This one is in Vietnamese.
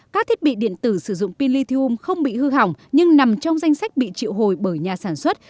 các thiết bị điện tử sử dụng pin lithium không bị hư hỏng nhưng nằm trong danh sách bị triệu hồi bởi nhà sản xuất